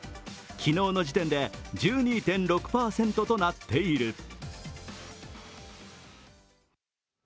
昨日の時点で１２．６％となっている。